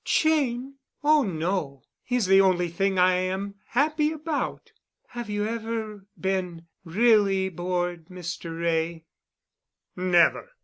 "Cheyne? Oh, no. He's the only thing I am happy about. Have you ever been really bored, Mr. Wray?" "Never.